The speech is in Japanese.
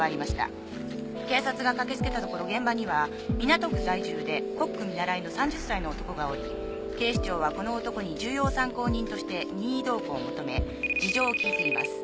警察が駆けつけたところ現場には港区在住でコック見習いの３０歳の男がおり警視庁はこの男に重要参考人として任意同行を求め事情を聞いています」